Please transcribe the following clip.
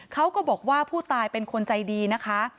เขาก็บอกว่าผู้ตายเป็นคนใจดีนะคะ